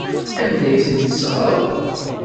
Anda ay ten-tesseɣrem?